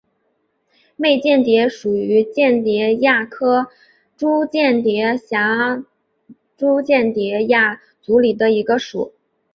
媚蚬蝶属是蚬蝶亚科蛱蚬蝶族蛱蚬蝶亚族里的一个属。